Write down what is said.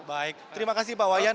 baik terima kasih pak wayan